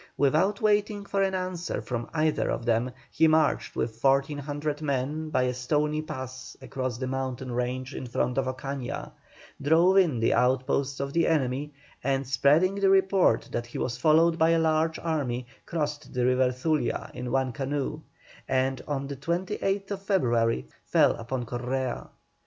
Without waiting for an answer from either of them, he marched with 400 men by a stony pass across the mountain range in front of Ocaña, drove in the outposts of the enemy, and, spreading the report that he was followed by a large army, crossed the river Zulia in one canoe, and on the 28th February fell upon Correa.